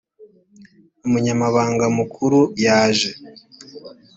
umunyamabanga mukuru yaje